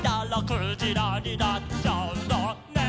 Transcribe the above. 「くじらになっちゃうのね」